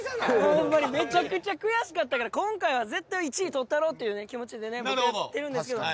ホンマにめちゃくちゃ悔しかったから今回は絶対１位取ったろうっていう気持ちでね僕やってるんですけど。